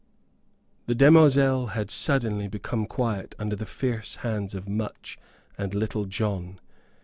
The demoiselle had suddenly become quiet under the fierce hands of Much and Little John.